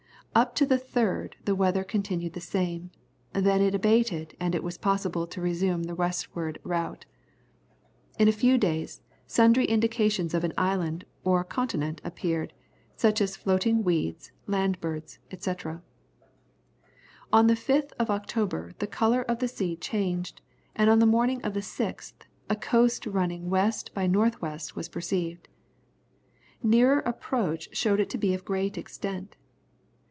Up to the 3rd the weather continued the same, then it abated and it was possible to resume the westward route. In a few days, sundry indications of an island or a continent appeared, such as floating weeds, land birds, &c. On the 5th of October the colour of the sea changed, and on the morning of the 6th, a coast running west by north west was perceived. Nearer approach showed it to be of great extent.